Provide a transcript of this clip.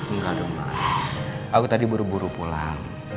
enggak dong mas aku tadi buru buru pulang